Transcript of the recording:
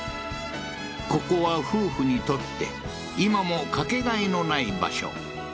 ここは夫婦にとって今もかけがえのない場所